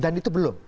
dan itu belum